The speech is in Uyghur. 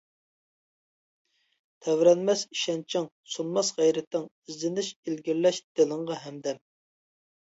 تەۋرەنمەس ئىشەنچىڭ، سۇنماس غەيرىتىڭ، ئىزدىنىش، ئىلگىرىلەش دىلىڭغا ھەمدەم.